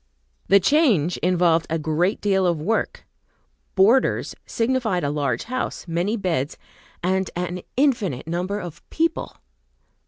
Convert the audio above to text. The change involved a great deal of work. "Boarders" signified a large house, many beds, and an indefinite number of people.